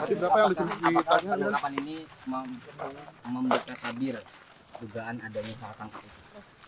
apakah penangkapan ini membuat kecadir jugaan ada yang salahkan